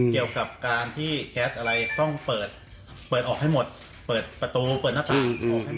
เกี่ยวกับการที่แก๊สอะไรต้องเปิดเปิดออกให้หมดเปิดประตูเปิดหน้าต่าง